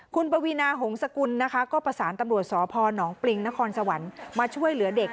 คุณปวีนาหงษกุลนะคะก็ประสานตำรวจสพนปริงนครสวรรค์มาช่วยเหลือเด็ก